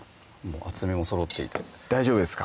厚みもそろっていて大丈夫ですか？